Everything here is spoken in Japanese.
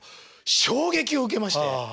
衝撃を受けまして。